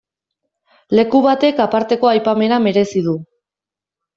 Leku batek aparteko aipamena merezi du.